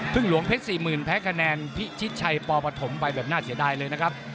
หลวงเพชร๔๐๐๐แพ้คะแนนพิชิตชัยปปฐมไปแบบน่าเสียดายเลยนะครับ